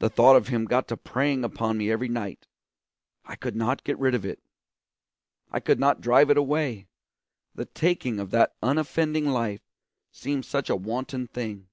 The thought of him got to preying upon me every night; I could not get rid of it. I could not drive it away, the taking of that unoffending life seemed such a wanton thing.